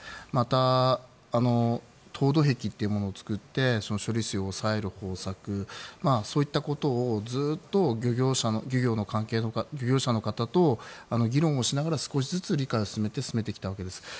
また、凍土壁というものを作って処理水を抑える方策、そういったことをずっと漁業者の方と議論をしながら少しずつ理解を進めて進めてきたわけです。